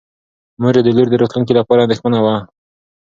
مور یې د لور د راتلونکي لپاره اندېښمنه وه.